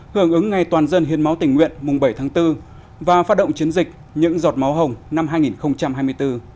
hưởng ứng ngày toàn dân hiến máu tình nguyện mùng bảy tháng bốn và phát động chiến dịch những giọt máu hồng năm hai nghìn hai mươi bốn